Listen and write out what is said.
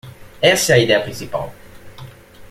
Essa é a ideia principal.